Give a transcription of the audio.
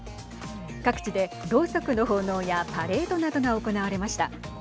各地で、ろうそくの奉納やパレードなどが行われました。